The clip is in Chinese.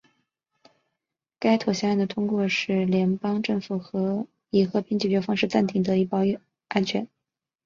该妥协案的通过使得联邦政府以和平的方式暂时得以保全。